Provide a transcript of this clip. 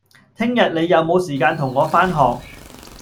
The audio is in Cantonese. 聽日你有無時間同我返學